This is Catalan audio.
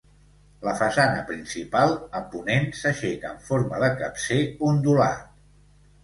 La façana principal, a ponent, s'aixeca en forma de capcer ondulat.